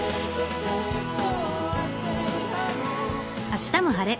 「あしたも晴れ！